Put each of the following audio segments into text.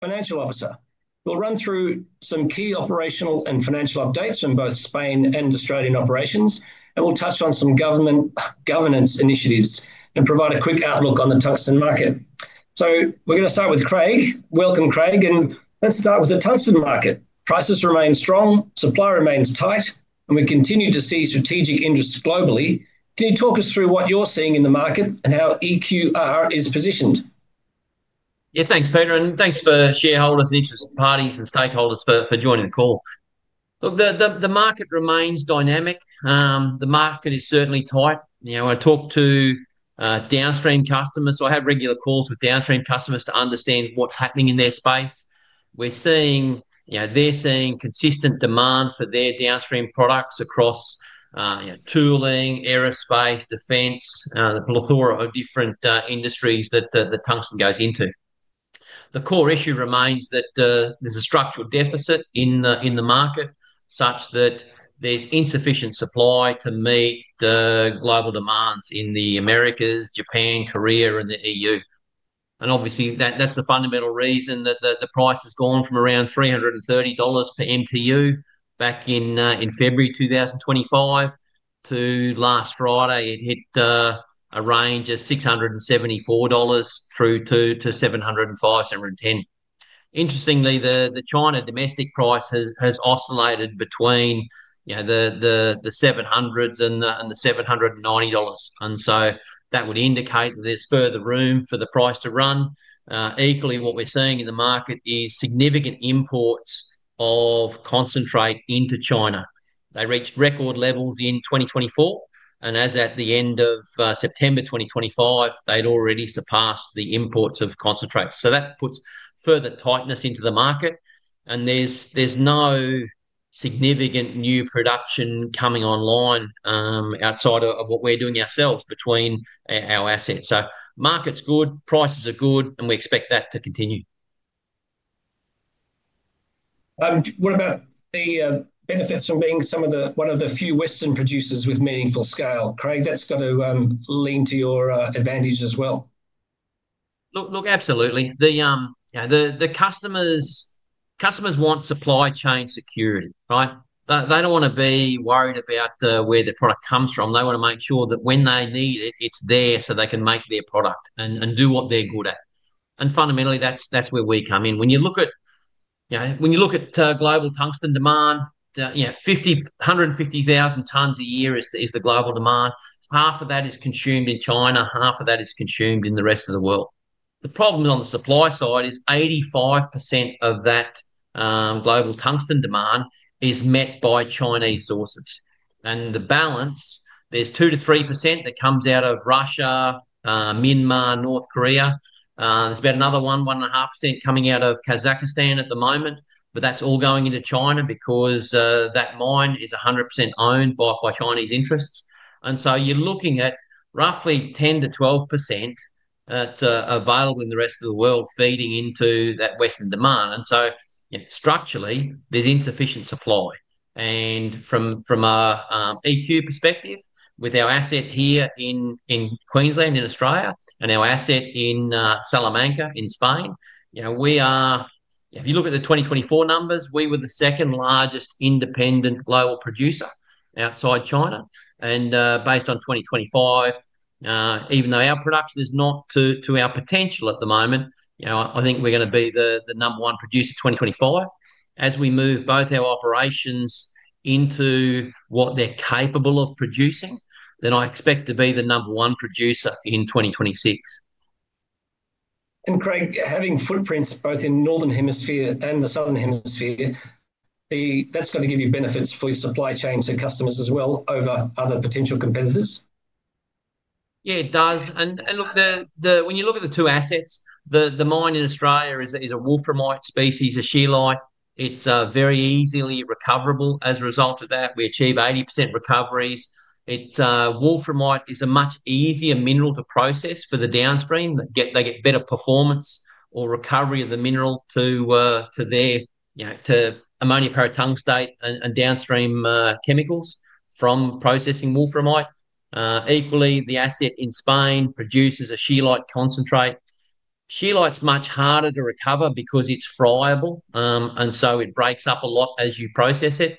Financial Officer. We'll run through some key operational and financial updates from both Spain and Australian operations, and we'll touch on some government governance initiatives and provide a quick outlook on the tungsten market. We are going to start with Craig. Welcome, Craig, and let's start with the tungsten market. Prices remain strong, supply remains tight, and we continue to see strategic interest globally. Can you talk us through what you're seeing in the market and how EQR is positioned? Yeah, thanks, Peter, and thanks for shareholders and interested parties and stakeholders for joining the call. Look, the market remains dynamic. The market is certainly tight. I talk to downstream customers, so I have regular calls with downstream customers to understand what's happening in their space. We're seeing they're seeing consistent demand for their downstream products across tooling, aerospace, defence, the plethora of different industries that tungsten goes into. The core issue remains that there's a structural deficit in the market such that there's insufficient supply to meet global demands in the Americas, Japan, Korea, and the EU. Obviously, that's the fundamental reason that the price has gone from around $330 per MTU back in February 2025 to last Friday, it hit a range of $674 to $705, $710. Interestingly, the China domestic price has oscillated between the $700 and the $790. That would indicate that there's further room for the price to run. Equally, what we're seeing in the market is significant imports of concentrate into China. They reached record levels in 2024, and as at the end of September 2025, they'd already surpassed the imports of concentrate. That puts further tightness into the market, and there's no significant new production coming online outside of what we're doing ourselves between our assets. Market's good, prices are good, and we expect that to continue. What about the benefits from being one of the few Western producers with meaningful scale? Craig, that's got to lean to your advantage as well. Look, absolutely. The customers want supply chain security, right? They don't want to be worried about where the product comes from. They want to make sure that when they need it, it's there so they can make their product and do what they're good at. Fundamentally, that's where we come in. When you look at global tungsten demand, 150,000 tons a year is the global demand. Half of that is consumed in China, half of that is consumed in the rest of the world. The problem on the supply side is 85% of that global tungsten demand is met by Chinese sources. The balance, there's 2% to 3% that comes out of Russia, Myanmar, North Korea. There's about another 1%-1.5% coming out of Kazakhstan at the moment, but that's all going into China because that mine is 100% owned by Chinese interests. You're looking at roughly 10% to 12% that's available in the rest of the world feeding into that Western demand. Structurally, there's insufficient supply. From an EQ perspective, with our asset here in Queensland, in Australia, and our asset in Salamanca in Spain, if you look at the 2024 numbers, we were the second largest independent global producer outside China. Based on 2025, even though our production is not to our potential at the moment, I think we're going to be the number one producer in 2025. As we move both our operations into what they're capable of producing, then I expect to be the number one producer in 2026. Craig, having footprints both in the northern hemisphere and the southern hemisphere, that's going to give you benefits for your supply chain to customers as well over other potential competitors? Yeah, it does. Look, when you look at the two assets, the mine in Australia is a wolframite species, a scheelite. It's very easily recoverable. As a result of that, we achieve 80% recoveries. Wolframite is a much easier mineral to process for the downstream. They get better performance or recovery of the mineral to ammonium paratungstate and downstream chemicals from processing wolframite. Equally, the asset in Spain produces a scheelite concentrate. Scheelite's much harder to recover because it's friable, and so it breaks up a lot as you process it.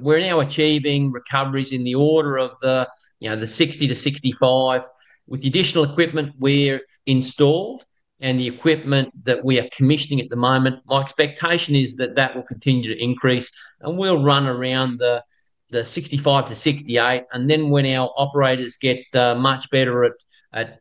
We're now achieving recoveries in the order of 60% to 65%. With the additional equipment we've installed and the equipment that we are commissioning at the moment, my expectation is that that will continue to increase, and we'll run around 65% to 68%. When our operators get much better at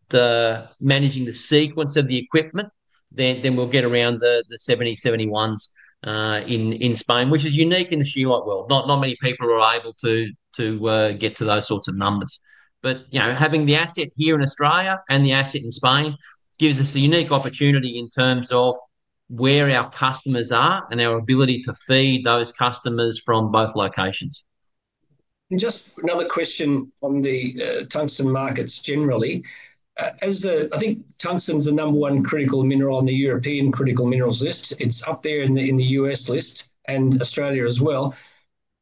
managing the sequence of the equipment, then we'll get around the 70% to 71% in Spain, which is unique in the scheelite world. Not many people are able to get to those sorts of numbers. Having the asset here in Australia and the asset in Spain gives us a unique opportunity in terms of where our customers are and our ability to feed those customers from both locations. Just another question on the tungsten markets generally. I think tungsten's the number one critical mineral on the European critical minerals list. It's up there in the U.S. list and Australia as well.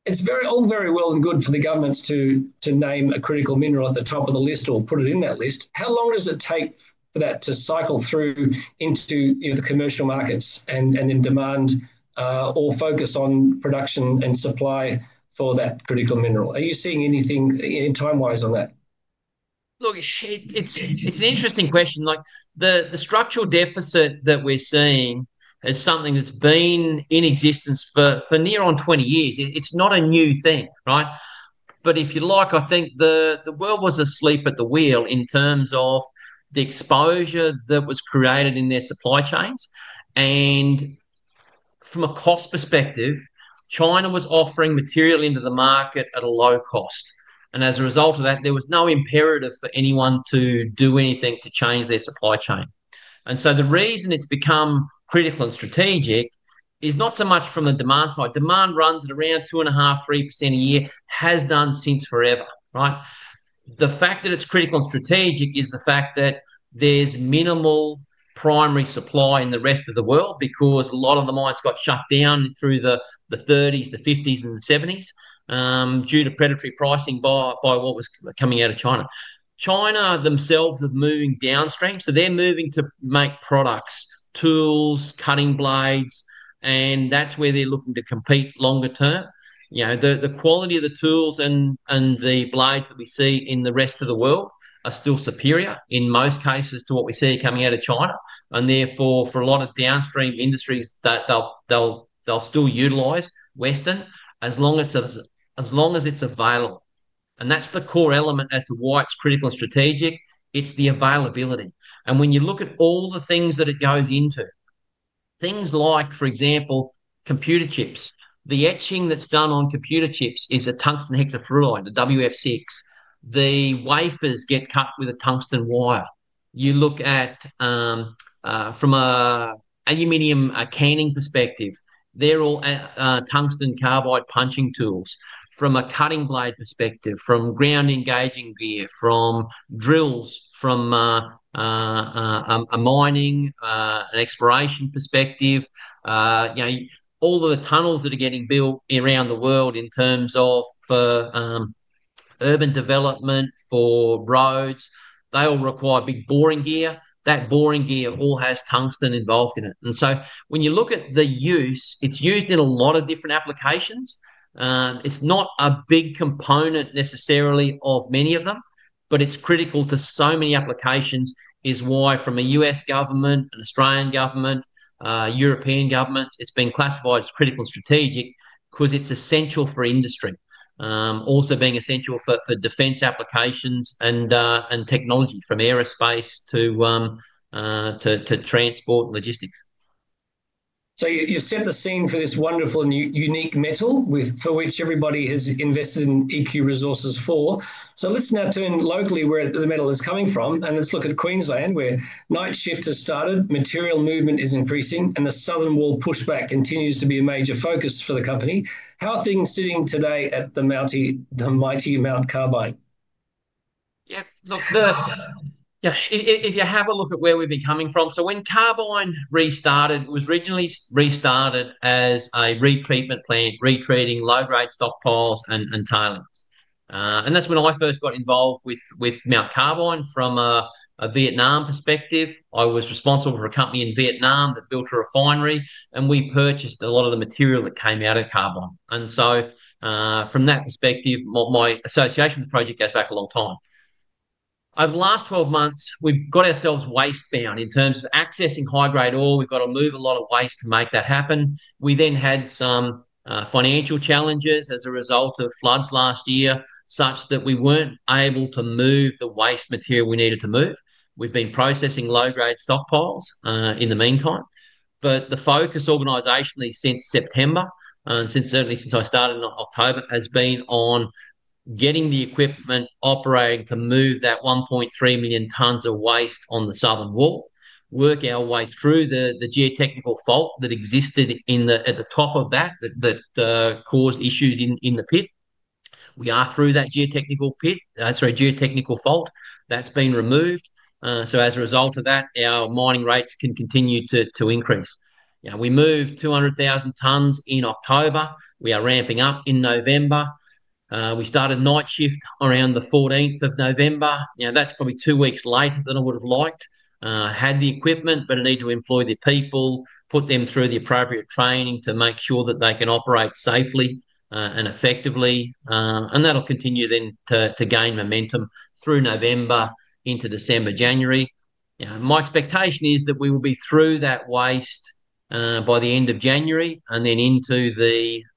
It's all very well and good for the governments to name a critical mineral at the top of the list or put it in that list. How long does it take for that to cycle through into the commercial markets and then demand or focus on production and supply for that critical mineral? Are you seeing anything time-wise on that? Look, it's an interesting question. The structural deficit that we're seeing is something that's been in existence for near on 20 years. It's not a new thing, right? If you like, I think the world was asleep at the wheel in terms of the exposure that was created in their supply chains. From a cost perspective, China was offering material into the market at a low cost. As a result of that, there was no imperative for anyone to do anything to change their supply chain. The reason it's become critical and strategic is not so much from the demand side. Demand runs at around 2.5%-3% a year, has done since forever, right? The fact that it's critical and strategic is the fact that there's minimal primary supply in the rest of the world because a lot of the mines got shut down through the 1930s, the 1950s, and the 1970s due to predatory pricing by what was coming out of China. China themselves are moving downstream, so they're moving to make products, tools, cutting blades, and that's where they're looking to compete longer term. The quality of the tools and the blades that we see in the rest of the world are still superior in most cases to what we see coming out of China. Therefore, for a lot of downstream industries, they'll still utilise Western as long as it's available. That's the core element as to why it's critical and strategic. It's the availability. When you look at all the things that it goes into, things like, for example, computer chips, the etching that's done on computer chips is a tungsten hexafluoride, the WF6. The wafers get cut with a tungsten wire. You look at, from an aluminium canning perspective, they're all tungsten carbide punching tools. From a cutting blade perspective, from ground engaging gear, from drills, from a mining, an exploration perspective, all of the tunnels that are getting built around the world in terms of urban development for roads, they all require big boring gear. That boring gear all has tungsten involved in it. When you look at the use, it's used in a lot of different applications. It's not a big component necessarily of many of them, but it's critical to so many applications. It is why from a U.S. government, an Australian government, European governments, it's been classified as critical and strategic because it's essential for industry, also being essential for defense applications and technology from aerospace to transport and logistics. You've set the scene for this wonderful and unique metal for which everybody has invested in EQ Resources for. Let's now turn locally where the metal is coming from, and let's look at Queensland where night shift has started, material movement is increasing, and the southern wall pushback continues to be a major focus for the company. How are things sitting today at the Mighty Mt Carbine? Yeah, look, if you have a look at where we've been coming from, when Carbine restarted, it was originally restarted as a retreatment plant, retreating low-grade stockpiles and tails. That's when I first got involved with Mt Carbine from a Vietnam perspective. I was responsible for a company in Vietnam that built a refinery, and we purchased a lot of the material that came out of Carbine. From that perspective, my association with the project goes back a long time. Over the last 12 months, we've got ourselves waste bound in terms of accessing high-grade ore. We've got to move a lot of waste to make that happen. We then had some financial challenges as a result of floods last year such that we weren't able to move the waste material we needed to move. We've been processing low-grade stockpiles in the meantime, but the focus organisationally since September, and certainly since I started in October, has been on getting the equipment operating to move that 1.3 million tons of waste on the southern wall, work our way through the geotechnical fault that existed at the top of that that caused issues in the pit. We are through that geotechnical fault. That has been removed. As a result of that, our mining rates can continue to increase. We moved 200,000 tons in October. We are ramping up in November. We started night shift around the 14th of November. That is probably two weeks later than I would have liked. Had the equipment, but I need to employ the people, put them through the appropriate training to make sure that they can operate safely and effectively. That'll continue then to gain momentum through November into December, January. My expectation is that we will be through that waste by the end of January and then into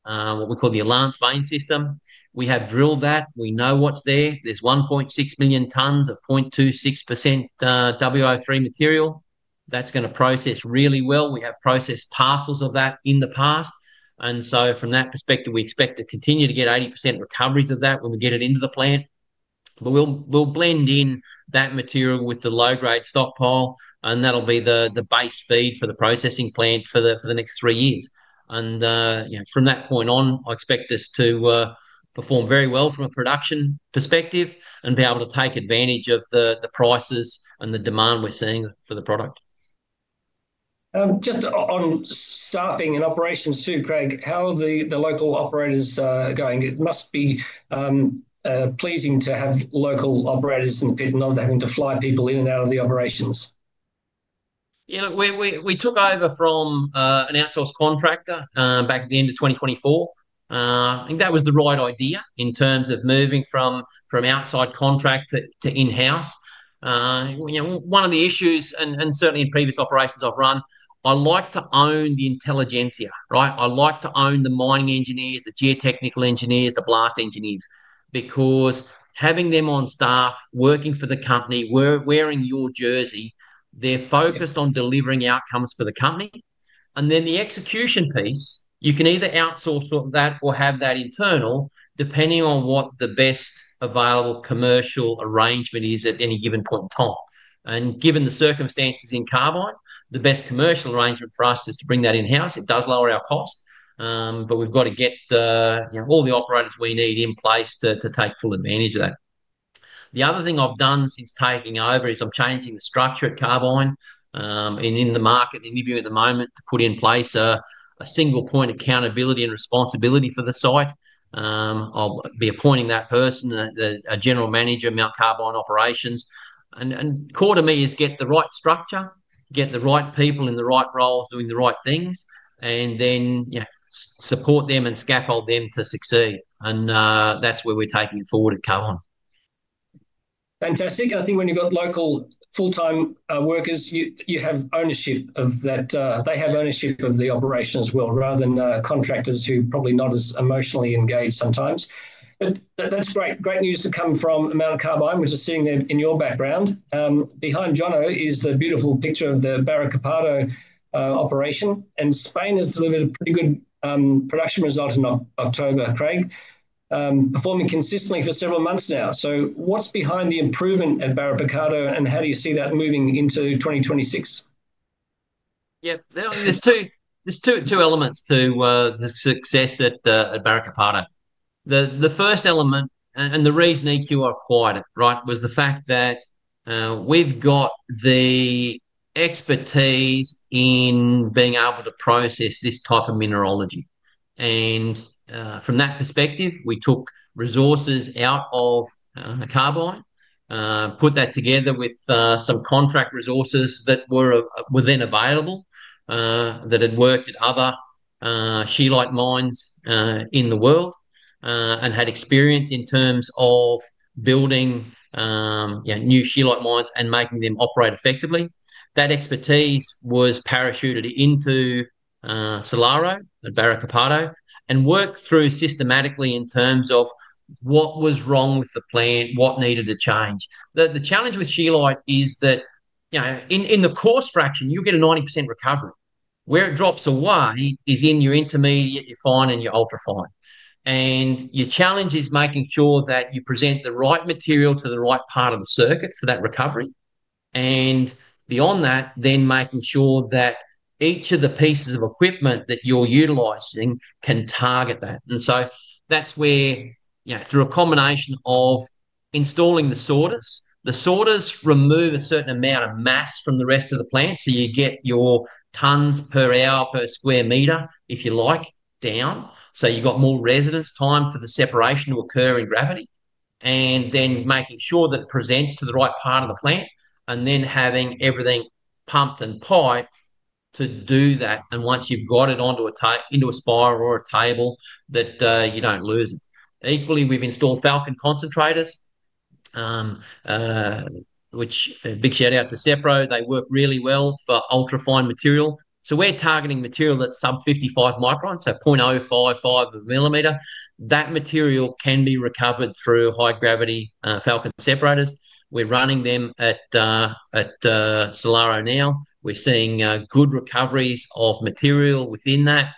what we call the Alliance Main System. We have drilled that. We know what's there. There's 1.6 million tons of 0.26% WO3 material. That's going to process really well. We have processed parcels of that in the past. From that perspective, we expect to continue to get 80% recoveries of that when we get it into the plant. We'll blend in that material with the low-grade stockpile. That'll be the base feed for the processing plant for the next three years. From that point on, I expect this to perform very well from a production perspective and be able to take advantage of the prices and the demand we're seeing for the product. Just on staffing and operations too, Craig, how are the local operators going? It must be pleasing to have local operators in Pitt and not having to fly people in and out of the operations. Yeah, look, we took over from an outsourced contractor back at the end of 2024. I think that was the right idea in terms of moving from outside contract to in-house. One of the issues, and certainly in previous operations I've run, I like to own the intelligencia, right? I like to own the mining engineers, the geotechnical engineers, the blast engineers, because having them on staff, working for the company, wearing your jersey, they're focused on delivering outcomes for the company. The execution piece, you can either outsource that or have that internal, depending on what the best available commercial arrangement is at any given point in time. Given the circumstances in Carbine, the best commercial arrangement for us is to bring that in-house. It does lower our cost, but we've got to get all the operators we need in place to take full advantage of that. The other thing I've done since taking over is I'm changing the structure at Carbine and in the market interview at the moment to put in place a single point of accountability and responsibility for the site. I'll be appointing that person, a General Manager, Mt Carbine Operations. Core to me is get the right structure, get the right people in the right roles doing the right things, and then support them and scaffold them to succeed. That is where we're taking it forward at Carbine. Fantastic. I think when you've got local full-time workers, you have ownership of that. They have ownership of the operation as well rather than contractors who are probably not as emotionally engaged sometimes. That is great. Great news to come from Mt Carbine. We are just sitting there in your background. Behind Jono is the beautiful picture of the Barruecopardo operation. Spain has delivered a pretty good production result in October, Craig, performing consistently for several months now. What is behind the improvement at Barruecopardo and how do you see that moving into 2026? Yeah, there's two elements to the success at Barruecopardo. The first element, and the reason EQ Resources acquired, right, was the fact that we've got the expertise in being able to process this type of mineralogy. From that perspective, we took resources out of Carbine, put that together with some contract resources that were then available, that had worked at other scheelite mines in the world and had experience in terms of building new scheelite mines and making them operate effectively. That expertise was parachuted into Saloro at Barruecopardo and worked through systematically in terms of what was wrong with the plant, what needed to change. The challenge with scheelite is that in the coarse fraction, you get a 90% recovery. Where it drops away is in your intermediate, your fine, and your ultra fine. Your challenge is making sure that you present the right material to the right part of the circuit for that recovery. Beyond that, making sure that each of the pieces of equipment that you're utilizing can target that. That is where, through a combination of installing the sorters, the sorters remove a certain amount of mass from the rest of the plant. You get your tons per hour per square meter, if you like, down. You have more resonance time for the separation to occur in gravity. Making sure that it presents to the right part of the plant and then having everything pumped and piped to do that. Once you've got it onto a spiral or a table, you do not lose it. Equally, we've installed Falcon concentrators, which big shout out to Sepro. They work really well for ultra fine material. We are targeting material that is sub 55 microns, so 0.055 millimeter. That material can be recovered through high gravity Falcon separators. We are running them at Saloro now. We are seeing good recoveries of material within that.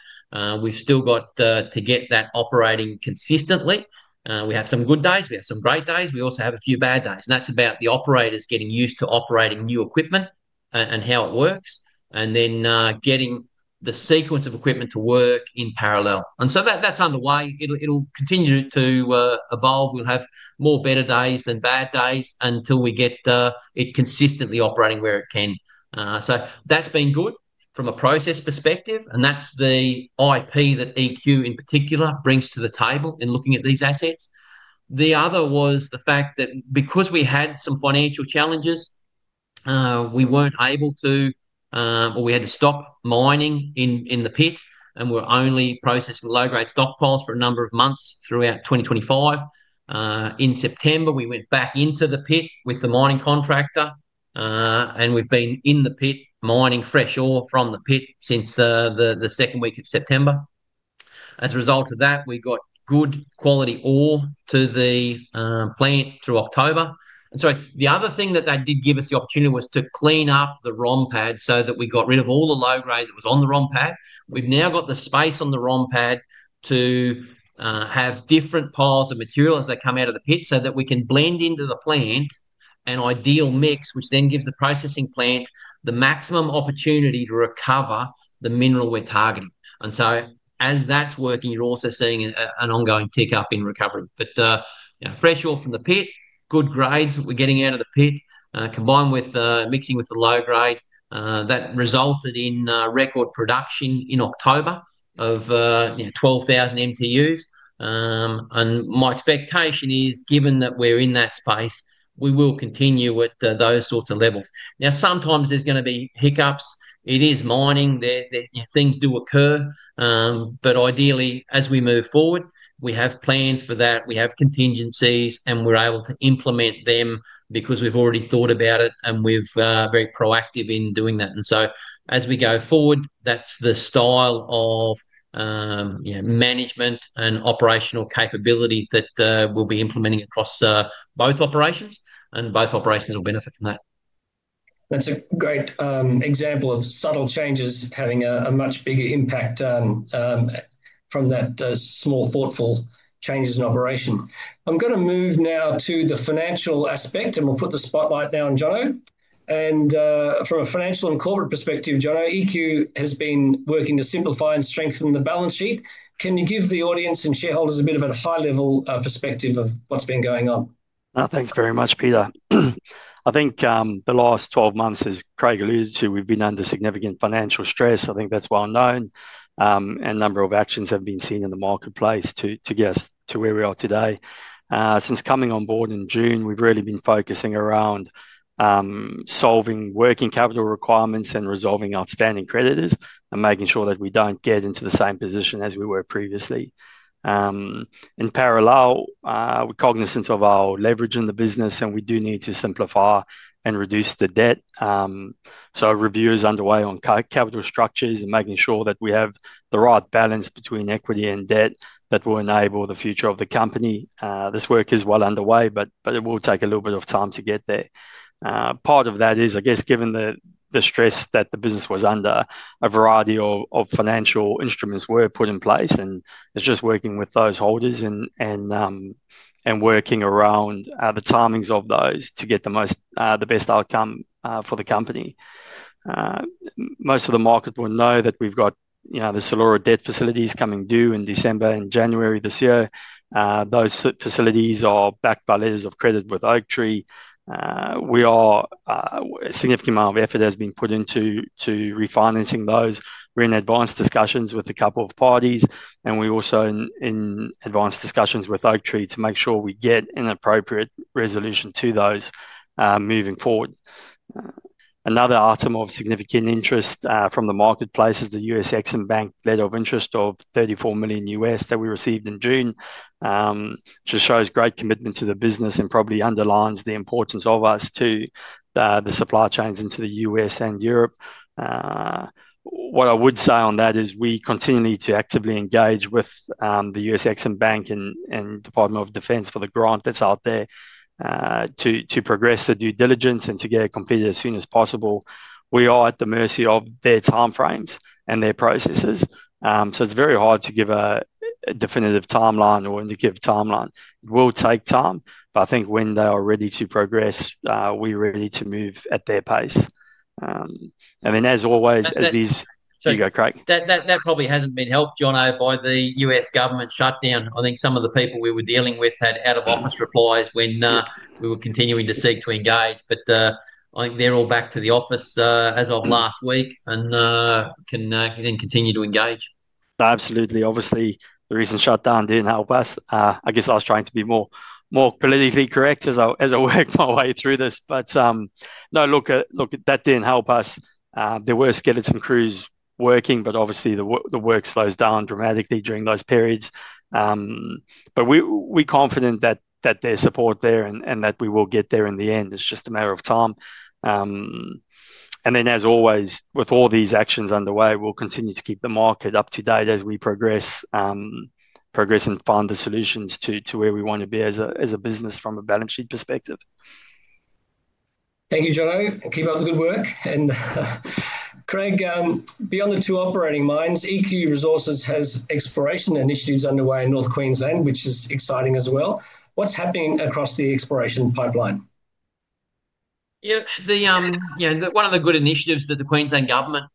We have still got to get that operating consistently. We have some good days. We have some great days. We also have a few bad days. That is about the operators getting used to operating new equipment and how it works and then getting the sequence of equipment to work in parallel. That is underway. It will continue to evolve. We will have more better days than bad days until we get it consistently operating where it can. That has been good from a process perspective. That is the IP that EQ in particular brings to the table in looking at these assets. The other was the fact that because we had some financial challenges, we were not able to, or we had to stop mining in the pit, and we were only processing low-grade stockpiles for a number of months throughout 2025. In September, we went back into the pit with the mining contractor, and we have been in the pit mining fresh ore from the pit since the second week of September. As a result of that, we got good quality ore to the plant through October. The other thing that did give us the opportunity to do was to clean up the ROM pad so that we got rid of all the low grade that was on the ROM pad. We've now got the space on the ROM pad to have different piles of material as they come out of the pit so that we can blend into the plant an ideal mix, which then gives the processing plant the maximum opportunity to recover the mineral we're targeting. As that's working, you're also seeing an ongoing tick up in recovery. Fresh ore from the pit, good grades that we're getting out of the pit, combined with mixing with the low grade, that resulted in record production in October of 12,000 MTUs. My expectation is, given that we're in that space, we will continue at those sorts of levels. Sometimes there's going to be hiccups. It is mining. Things do occur. Ideally, as we move forward, we have plans for that. We have contingencies, and we're able to implement them because we've already thought about it, and we're very proactive in doing that. As we go forward, that's the style of management and operational capability that we'll be implementing across both operations, and both operations will benefit from that. That's a great example of subtle changes having a much bigger impact from that small, thoughtful changes in operation. I'm going to move now to the financial aspect, and we'll put the spotlight now on Jono. From a financial and corporate perspective, Jono, EQ has been working to simplify and strengthen the balance sheet. Can you give the audience and shareholders a bit of a high-level perspective of what's been going on? Thanks very much, Peter. I think the last 12 months, as Craig alluded to, we've been under significant financial stress. I think that's well known, and a number of actions have been seen in the marketplace to get us to where we are today. Since coming on board in June, we've really been focusing around solving working capital requirements and resolving outstanding creditors and making sure that we don't get into the same position as we were previously. In parallel, we're cognizant of our leverage in the business, and we do need to simplify and reduce the debt. A review is underway on capital structures and making sure that we have the right balance between equity and debt that will enable the future of the company. This work is well underway, but it will take a little bit of time to get there. Part of that is, I guess, given the stress that the business was under, a variety of financial instruments were put in place, and it's just working with those holders and working around the timings of those to get the best outcome for the company. Most of the market will know that we've got the Saloro debt facilities coming due in December and January this year. Those facilities are backed by letters of credit with Oaktree. A significant amount of effort has been put into refinancing those. We're in advanced discussions with a couple of parties, and we're also in advanced discussions with Oaktree to make sure we get an appropriate resolution to those moving forward. Another item of significant interest from the marketplace is the US Exim Bank letter of interest of $34 million that we received in June, which shows great commitment to the business and probably underlines the importance of us to the supply chains into the U.S. and Europe. What I would say on that is we continue to actively engage with the US Exim Bank and Department of Defense for the grant that's out there to progress the due diligence and to get a competitor as soon as possible. We are at the mercy of their timeframes and their processes. It is very hard to give a definitive timeline or indicative timeline. It will take time, but I think when they are ready to progress, we are ready to move at their pace. As always, as these—you go, Craig. That probably hasn't been helped, Jono, by the US government shutdown. I think some of the people we were dealing with had out-of-office replies when we were continuing to seek to engage. I think they're all back to the office as of last week and can then continue to engage. Absolutely. Obviously, the recent shutdown did not help us. I guess I was trying to be more politically correct as I worked my way through this. No, look, that did not help us. There were skeleton crews working, but obviously, the work slows down dramatically during those periods. We are confident that there is support there and that we will get there in the end. It is just a matter of time. As always, with all these actions underway, we will continue to keep the market up to date as we progress and find the solutions to where we want to be as a business from a balance sheet perspective. Thank you, Jono. Keep up the good work. Craig, beyond the two operating mines, EQ Resources has exploration initiatives underway in North Queensland, which is exciting as well. What's happening across the exploration pipeline? Yeah, one of the good initiatives that the Queensland government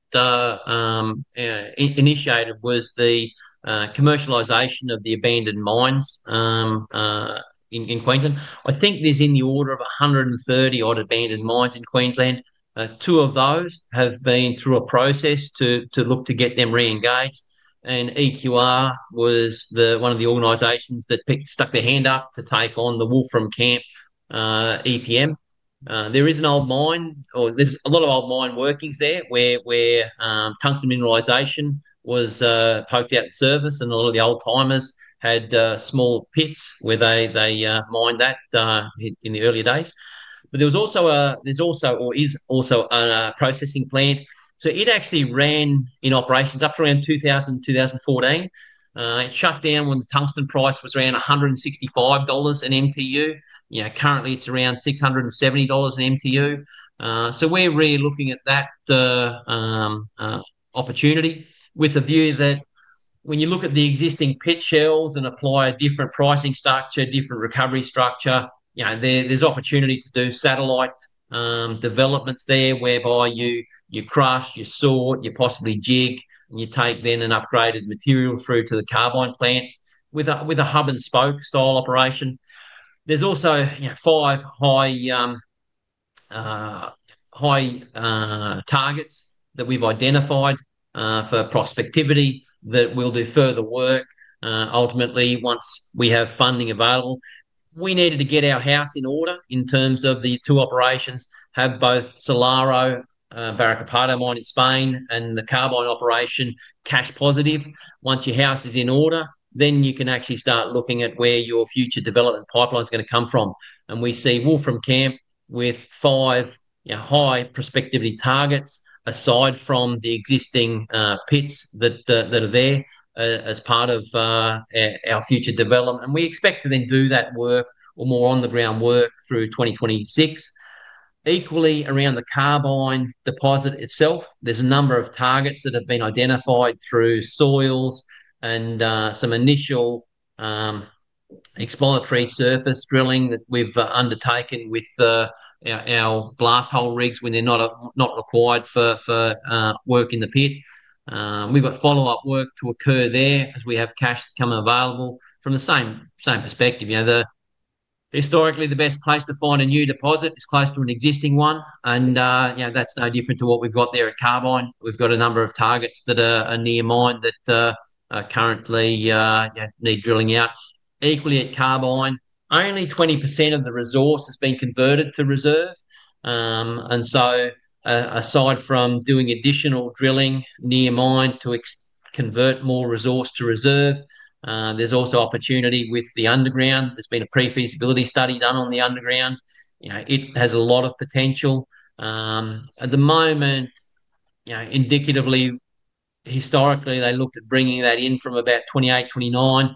initiated was the commercialization of the abandoned mines in Queensland. I think there's in the order of 130-odd abandoned mines in Queensland. Two of those have been through a process to look to get them re-engaged. EQR was one of the organizations that stuck their hand up to take on the Wolfram Camp EPM. There is an old mine, or there's a lot of old mine workings there where tungsten mineralization was poked out of service, and a lot of the old timers had small pits where they mined that in the early days. There is also a processing plant. It actually ran in operations up to around 2000, 2014. It shut down when the tungsten price was around $165 an MTU. Currently, it's around $670 an MTU. We're really looking at that opportunity with a view that when you look at the existing pit shells and apply a different pricing structure, different recovery structure, there's opportunity to do satellite developments there whereby you crush, you sort, you possibly jig, and you take then an upgraded material through to the Carbine plant with a hub and spoke style operation. There's also five high targets that we've identified for prospectivity that will do further work ultimately once we have funding available. We needed to get our house in order in terms of the two operations, have both Saloro, Barruecopardo mine in Spain and the Carbine operation cash positive. Once your house is in order, then you can actually start looking at where your future development pipeline is going to come from. We see Wolfram Camp with five high prospectivity targets aside from the existing pits that are there as part of our future development. We expect to then do that work or more on-the-ground work through 2026. Equally, around the Carbine deposit itself, there is a number of targets that have been identified through soils and some initial exploratory surface drilling that we have undertaken with our blast hole rigs when they are not required for work in the pit. We have got follow-up work to occur there as we have cash to come available from the same perspective. Historically, the best place to find a new deposit is close to an existing one. That is no different to what we have got there at Carbine. We have got a number of targets that are near mine that currently need drilling out. Equally, at Carbine, only 20% of the resource has been converted to reserve. Aside from doing additional drilling near mine to convert more resource to reserve, there's also opportunity with the underground. There's been a pre-feasibility study done on the underground. It has a lot of potential. At the moment, indicatively, historically, they looked at bringing that in from about 2028-2029.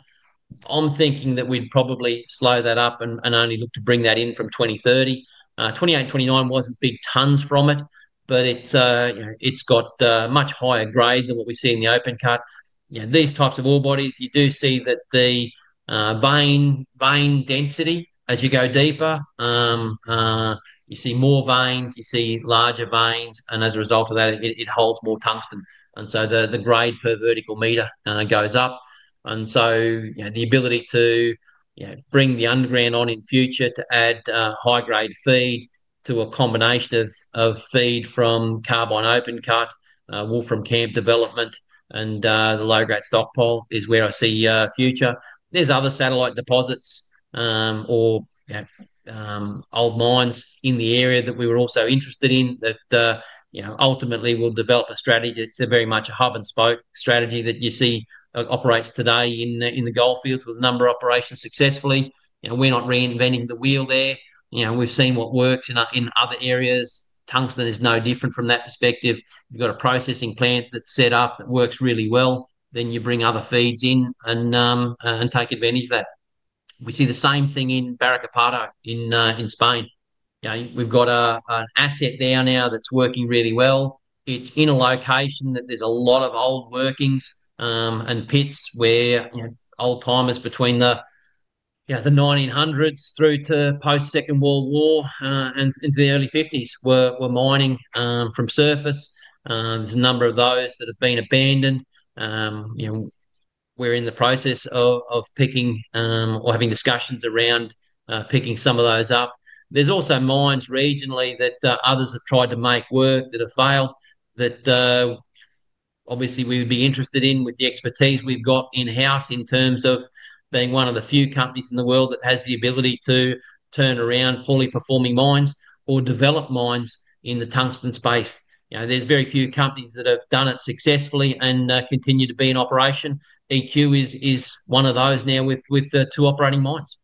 I'm thinking that we'd probably slow that up and only look to bring that in from 2030. 2028-2029 was not big tons from it, but it's got much higher grade than what we see in the open cut. These types of ore bodies, you do see that the vein density as you go deeper, you see more veins, you see larger veins, and as a result of that, it holds more tungsten. The grade per vertical meter goes up. The ability to bring the underground on in future to add high-grade feed to a combination of feed from Carbine open cut, Wolfram Camp development, and the low-grade stockpile is where I see future. There are other satellite deposits or old mines in the area that we are also interested in that ultimately will develop a strategy. It is very much a hub and spoke strategy that you see operates today in the goldfields with a number of operations successfully. We are not reinventing the wheel there. We have seen what works in other areas. Tungsten is no different from that perspective. You have got a processing plant that is set up that works really well. You bring other feeds in and take advantage of that. We see the same thing in Barruecopardo in Spain. We have got an asset there now that is working really well. It's in a location that there's a lot of old workings and pits where old timers between the 1900s through to post-Second World War and into the early 1950s were mining from surface. There's a number of those that have been abandoned. We're in the process of picking or having discussions around picking some of those up. There's also mines regionally that others have tried to make work that have failed that obviously we would be interested in with the expertise we've got in-house in terms of being one of the few companies in the world that has the ability to turn around poorly performing mines or develop mines in the tungsten space. There's very few companies that have done it successfully and continue to be in operation. EQ is one of those now with two operating mines.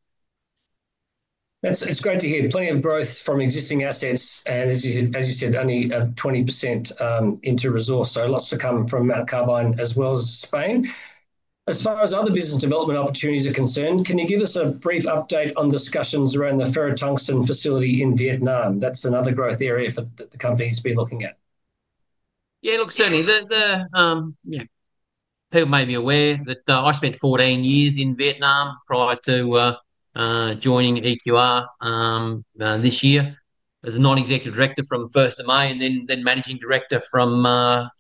It's great to hear. Plenty of growth from existing assets and, as you said, only 20% into resource. Lots to come from Carbine as well as Spain. As far as other business development opportunities are concerned, can you give us a brief update on discussions around the ferro-tungsten facility in Vietnam? That's another growth area that the company's been looking at. Yeah, look, certainly. People may be aware that I spent 14 years in Vietnam prior to joining EQR this year. As a Non-Executive Director from 1st of May and then Managing Director from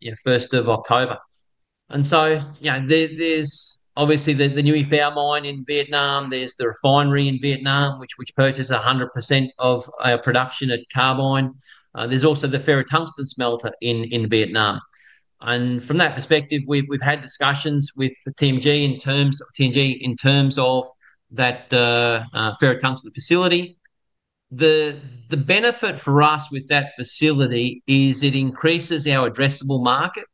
1st of October. There is obviously the new EFAO mine in Vietnam. There is the refinery in Vietnam, which purchased 100% of our production at Carbine. There is also the ferro-tungsten smelter in Vietnam. From that perspective, we have had discussions with TMG in terms of that ferro-tungsten facility. The benefit for us with that facility is it increases our addressable market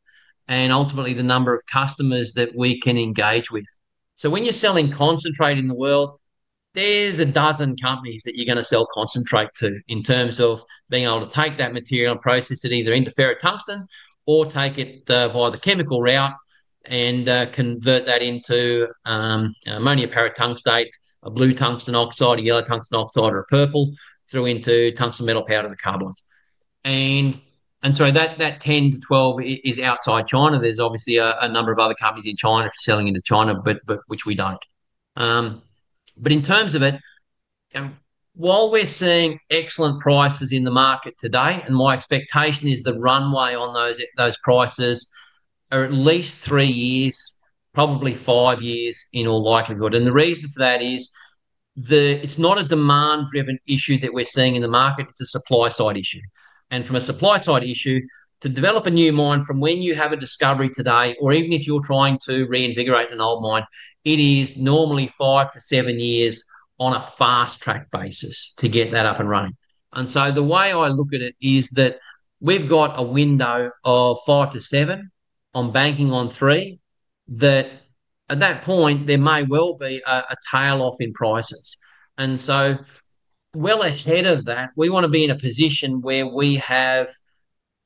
and ultimately the number of customers that we can engage with. When you're selling concentrate in the world, there's a dozen companies that you're going to sell concentrate to in terms of being able to take that material and process it either into ferro-tungsten or take it via the chemical route and convert that into ammonium paratungstate, a blue tungsten oxide, a yellow tungsten oxide, or a purple through into tungsten metal powder to carbine. That 10 to 12 is outside China. There's obviously a number of other companies in China for selling into China, which we don't. In terms of it, while we're seeing excellent prices in the market today, my expectation is the runway on those prices are at least three years, probably five years in all likelihood. The reason for that is it's not a demand-driven issue that we're seeing in the market. It's a supply-side issue. From a supply-side issue, to develop a new mine from when you have a discovery today, or even if you're trying to reinvigorate an old mine, it is normally five to seven years on a fast-track basis to get that up and running. The way I look at it is that we've got a window of five to seven on banking on three that at that point, there may well be a tail off in prices. Well ahead of that, we want to be in a position where we have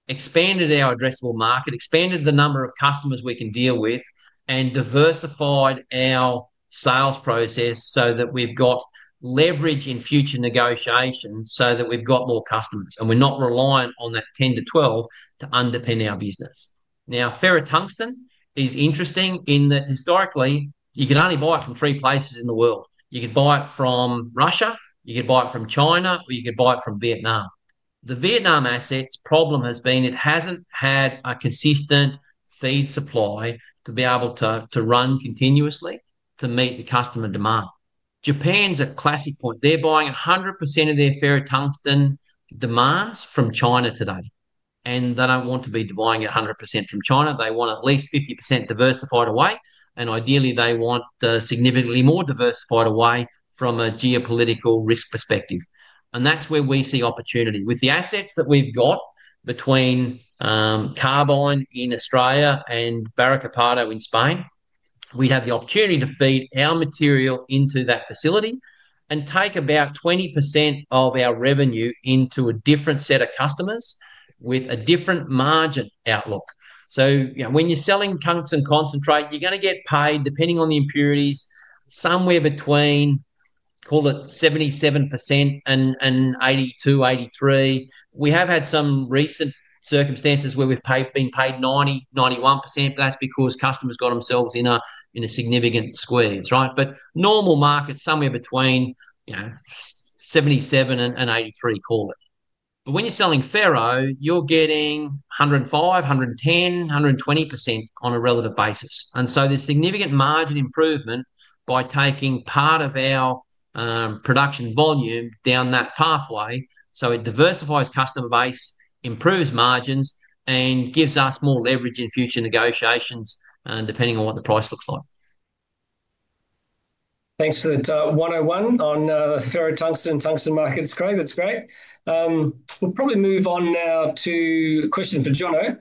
expanded our addressable market, expanded the number of customers we can deal with, and diversified our sales process so that we've got leverage in future negotiations so that we've got more customers. We're not reliant on that 10 to 12 to underpin our business. Now, ferro-tungsten is interesting in that historically, you could only buy it from three places in the world. You could buy it from Russia, you could buy it from China, or you could buy it from Vietnam. The Vietnam asset's problem has been it hasn't had a consistent feed supply to be able to run continuously to meet the customer demand. Japan's a classic point. They're buying 100% of their ferro-tungsten demands from China today. They don't want to be buying it 100% from China. They want at least 50% diversified away. Ideally, they want significantly more diversified away from a geopolitical risk perspective. That is where we see opportunity. With the assets that we've got between Carbine in Australia and Barruecopardo in Spain, we'd have the opportunity to feed our material into that facility and take about 20% of our revenue into a different set of customers with a different margin outlook. When you're selling tungsten concentrate, you're going to get paid, depending on the impurities, somewhere between, call it 77% and 82-83%. We have had some recent circumstances where we've been paid 90-91%, but that's because customers got themselves in a significant squeeze, right? Normal market, somewhere between 77% and 83%, call it. When you're selling ferro, you're getting 105-110-120% on a relative basis. There is significant margin improvement by taking part of our production volume down that pathway. It diversifies customer base, improves margins, and gives us more leverage in future negotiations depending on what the price looks like. Thanks for that 101 on the ferro-tungsten and tungsten markets. Craig, that's great. We'll probably move on now to a question for Jono,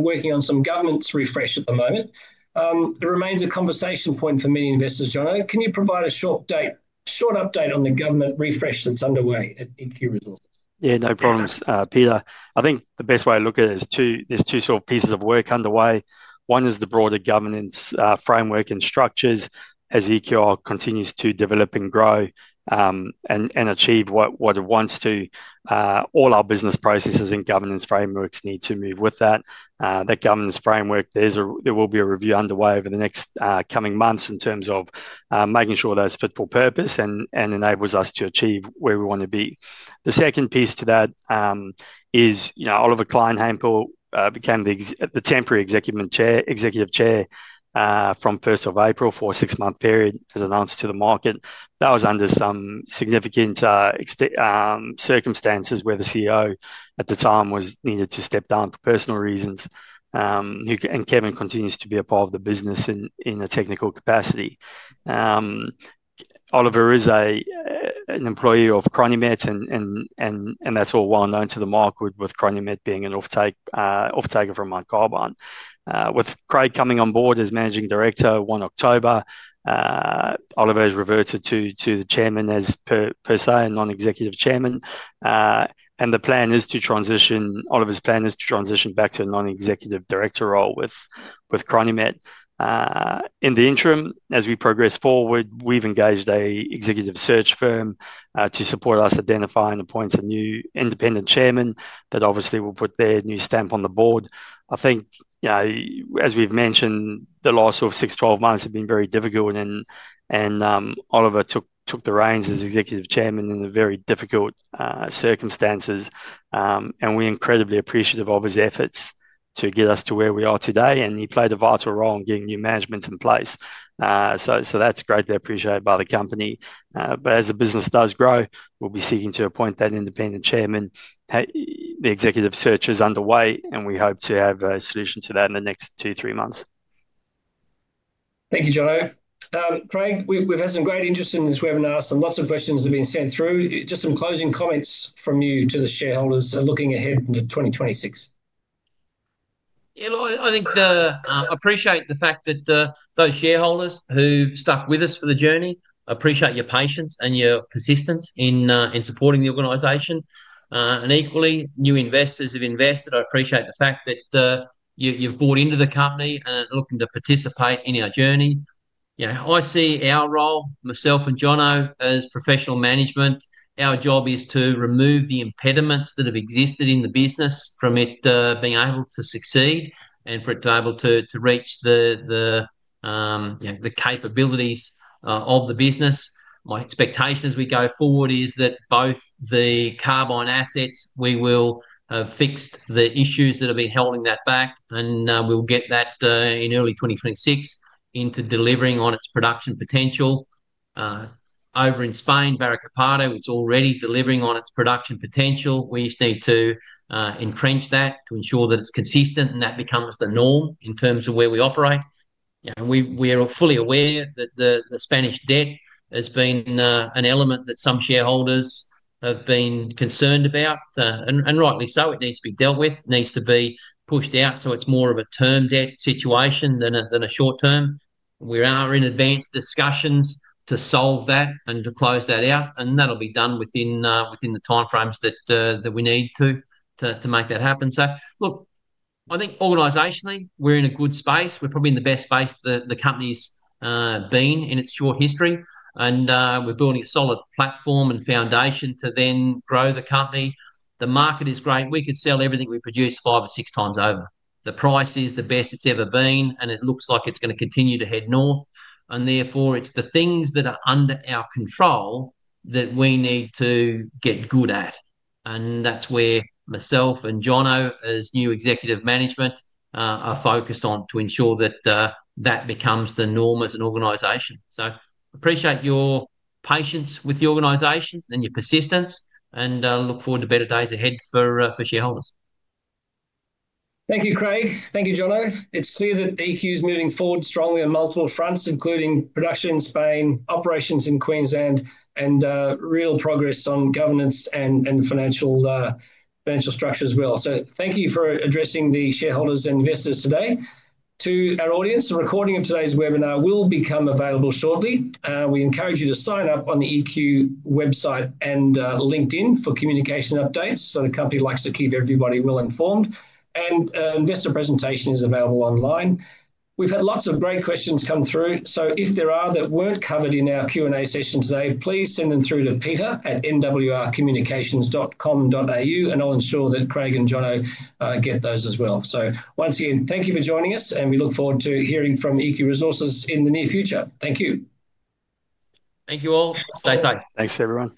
working on some government's refresh at the moment. It remains a conversation point for many investors, Jono. Can you provide a short update on the government refresh that's underway at EQ Resources? Yeah, no problems, Peter. I think the best way to look at it is there's two sort of pieces of work underway. One is the broader governance framework and structures as EQR continues to develop and grow and achieve what it wants to. All our business processes and governance frameworks need to move with that. That governance framework, there will be a review underway over the next coming months in terms of making sure that it's fit for purpose and enables us to achieve where we want to be. The second piece to that is Oliver Kleinhempel became the temporary Executive Chair from 1st of April for a six-month period as announced to the market. That was under some significant circumstances where the CEO at the time needed to step down for personal reasons. Kevin continues to be a part of the business in a technical capacity. Oliver is an employee of Chronimet, and that's all well known to the market with Chronimet being an off-taker from Carbine. With Craig coming on board as Managing Director one October, Oliver has reverted to the chairman, as per se, a non-executive chairman. The plan is to transition, Oliver's plan is to transition back to a non-executive director role with Chronimet. In the interim, as we progress forward, we've engaged an executive search firm to support us identifying and appointing a new independent chairman that obviously will put their new stamp on the board. I think, as we've mentioned, the last sort of 6, 12 months have been very difficult, and Oliver took the reins as executive chairman in very difficult circumstances. We're incredibly appreciative of his efforts to get us to where we are today. He played a vital role in getting new management in place. That's greatly appreciated by the company. As the business does grow, we'll be seeking to appoint that independent chairman. The executive search is underway, and we hope to have a solution to that in the next two, three months. Thank you, Jono. Craig, we've had some great interest in this webinar and lots of questions have been sent through. Just some closing comments from you to the shareholders looking ahead into 2026. Yeah, look, I think I appreciate the fact that those shareholders who stuck with us for the journey appreciate your patience and your persistence in supporting the organization. I equally, new investors have invested. I appreciate the fact that you've bought into the company and are looking to participate in our journey. I see our role, myself and Jono, as professional management. Our job is to remove the impediments that have existed in the business from it being able to succeed and for it to be able to reach the capabilities of the business. My expectations as we go forward is that both the Carbine assets, we will have fixed the issues that have been holding that back, and we'll get that in early 2026 into delivering on its production potential. Over in Spain, Barruecopardo, it's already delivering on its production potential. We just need to entrench that to ensure that it's consistent and that becomes the norm in terms of where we operate. We are fully aware that the Spanish debt has been an element that some shareholders have been concerned about. Rightly so, it needs to be dealt with, needs to be pushed out. It's more of a term debt situation than a short term. We are in advanced discussions to solve that and to close that out. That will be done within the timeframes that we need to make that happen. I think organizationally, we're in a good space. We're probably in the best space the company's been in its short history. We're building a solid platform and foundation to then grow the company. The market is great. We could sell everything we produce five or six times over. The price is the best it's ever been, it looks like it's going to continue to head north. It is the things that are under our control that we need to get good at. That is where myself and Jono, as new executive management, are focused on to ensure that that becomes the norm as an organization. I appreciate your patience with the organization and your persistence, and I look forward to better days ahead for shareholders. Thank you, Craig. Thank you, Jono. It is clear that EQ Resources is moving forward strongly on multiple fronts, including production in Spain, operations in Queensland, and real progress on governance and financial structure as well. Thank you for addressing the shareholders and investors today. To our audience, the recording of today's webinar will become available shortly. We encourage you to sign up on the EQ Resources website and LinkedIn for communication updates. The company likes to keep everybody well informed. An investor presentation is available online. We have had lots of great questions come through. If there are any that were not covered in our Q and A session today, please send them through to peter@nwrcommunications.com.au. I will ensure that Craig and Jono get those as well. Once again, thank you for joining us, and we look forward to hearing from EQ Resources in the near future. Thank you. Thank you all. Stay safe. Thanks, everyone.